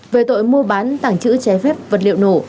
về tội mua bán tảng trữ chế phép vật liệu nổ